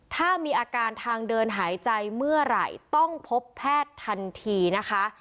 ถ้ามีอาการทางเดินหายใจเมื่อไหร่ต้องพบแพทย์ทันทีนะคะ